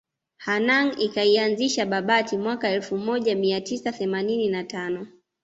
Hanang ikaianzisha Babati mwaka elfu moja mia tisa themanini na tano